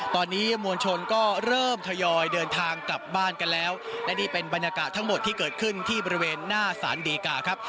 ตอนนี้มวลชนก็เริ่มทยอยเดินทางกลับบ้านกันแล้วและนี่เป็นบรรยากาศทั้งหมดที่เกิดขึ้นที่บริเวณหน้าสารดีกาครับ